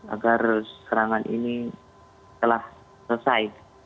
agar serangan ini telah selesai